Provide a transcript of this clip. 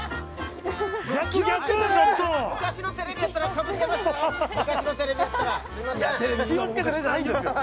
昔のテレビやったらかぶってましたよ。